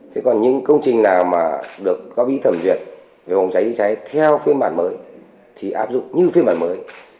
thế còn những công trình nào mà được góp ý thẩm duyệt về phòng cháy chữa cháy theo phiên bản mới thì áp dụng như phiên bản mới